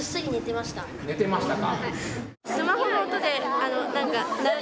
寝てましたか。